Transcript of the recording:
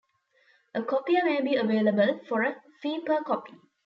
A copier may be available for a fee per copy.